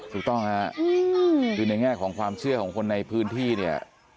ถูกต้องค่ะคือในแง่ของความเชื่อของคนในพื้นที่เนี่ย